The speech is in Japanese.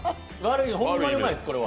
ホンマにうまいです、これ。